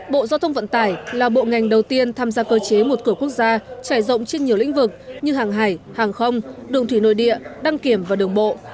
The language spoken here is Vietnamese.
bộ giao thông vận tải là bộ ngành đầu tiên tham gia cơ chế một cửa quốc gia trải rộng trên nhiều lĩnh vực như hàng hải hàng không đường thủy nội địa đăng kiểm và đường bộ